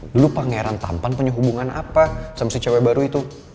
dulu pangeran tampan punya hubungan apa sama si cewek baru itu